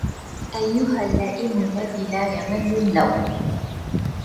أيها اللائم الذي لا يمل اللوم